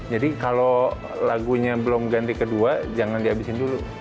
jadi kalau lagunya belum ganti kedua jangan dihabisin dulu